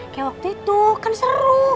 kayak waktu itu kan seru